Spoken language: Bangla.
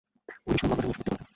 পুলিশও মামলাটা নিষ্পত্তি করে দেয়।